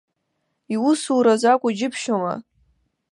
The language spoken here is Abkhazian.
Иусураз акәу џьыбшьома.